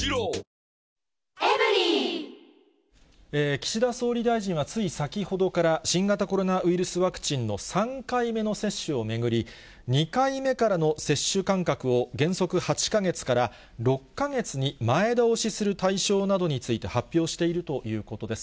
岸田総理大臣は、つい先ほどから、新型コロナウイルスワクチンの３回目の接種を巡り、２回目からの接種間隔を、原則８か月から６か月に前倒しする対象などについて、発表しているということです。